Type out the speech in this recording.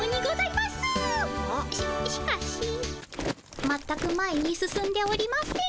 ししかしまったく前に進んでおりません。